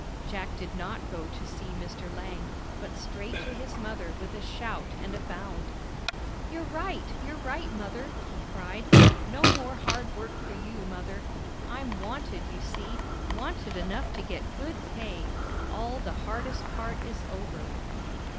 Jack did not go to see Mr. Lang, but straight to his mother, with a shout and a bound. "You're right, you're right, mother!" he cried. "No more hard work for you, mother. I'm wanted, you see, wanted enough to get good pay! All the hardest part is over."